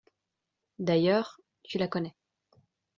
D’ailleurs, tu la connais.